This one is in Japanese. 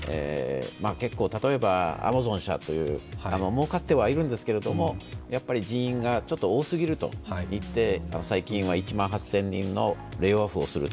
例えばアマゾン社、もうかってはいるんだけれども、人員が多すぎるといって、最近は１万８０００人のレイオフをすると。